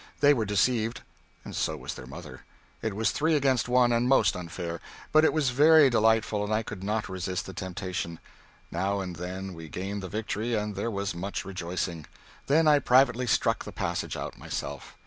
They were deceived, and so was their mother. It was three against one, and most unfair. But it was very delightful, and I could not resist the temptation. Now and then we gained the victory and there was much rejoicing. Then I privately struck the passage out myself.